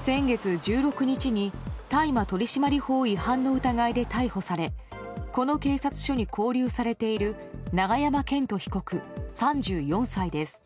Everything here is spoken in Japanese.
先月１６日に大麻取締法違反の疑いで逮捕されこの警察署に勾留されている永山絢斗被告、３４歳です。